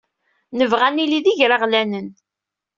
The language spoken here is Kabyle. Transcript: Nebɣa ad nili d igraɣlanen.